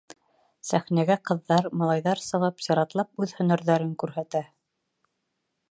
Сәхнәгә ҡыҙҙар, малайҙар сығып, сиратлап үҙ һөнәрҙәрен күрһәтә.